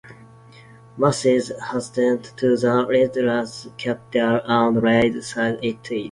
Mas'ud hastened to the rebellious capital and laid siege to it.